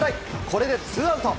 これでツーアウト。